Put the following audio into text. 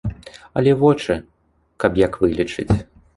Але вочы каб як вылечыць.